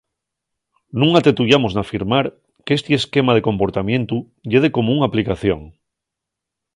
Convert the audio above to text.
Nun atetuyamos n'afirmar qu'esti esquema de comportamientu ye de común aplicación.